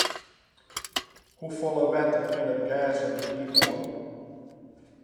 Hoefolle wetter kin it gers op de dyk oan?